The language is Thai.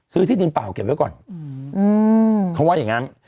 ที่ดินเปล่าเก็บไว้ก่อนเขาว่าอย่างนั้น